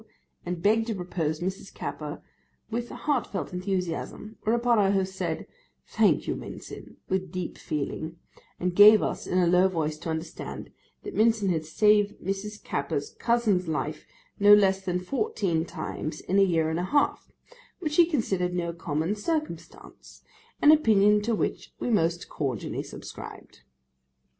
and begged to propose Mrs. Capper with heartfelt enthusiasm, whereupon our host said, 'Thank you, Mincin,' with deep feeling; and gave us, in a low voice, to understand, that Mincin had saved Mrs. Capper's cousin's life no less than fourteen times in a year and a half, which he considered no common circumstance—an opinion to which we most cordially subscribed.